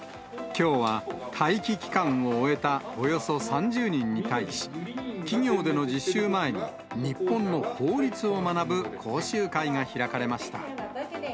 きょうは待機期間を終えたおよそ３０人に対し、企業での実習前に日本の法律を学ぶ講習会が開かれました。